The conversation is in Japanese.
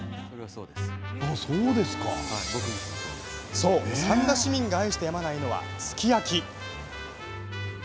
そう、三田市民が愛してやまないのは、すき焼き。